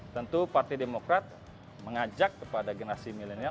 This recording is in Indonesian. tentu partai demokrat mengajak kepada generasi milenial